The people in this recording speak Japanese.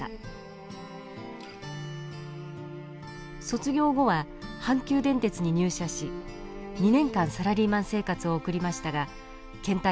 卒業後は阪急電鉄に入社し２年間サラリーマン生活を送りましたがけん怠感を感じて退職。